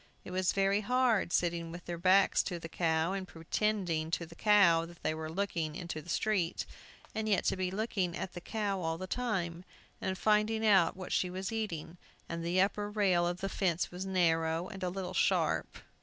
It was very hard, sitting with their backs to the cow, and pretending to the cow that they were looking into the street, and yet to be looking at the cow all the time, and finding out what she was eating; and the upper rail of the fence was narrow and a little sharp.